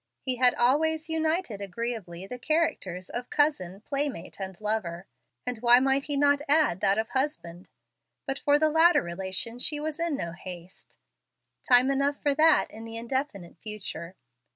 He had always united agreeably the characters of cousin, playmate, and lover, and why might he not add that of husband? But for the latter relation she was in no haste. Time enough for that in the indefinite future.